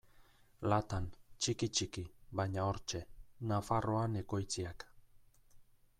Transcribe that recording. Latan, txiki-txiki, baina hortxe: Nafarroan ekoitziak.